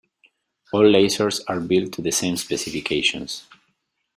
All Lasers are built to the same specifications.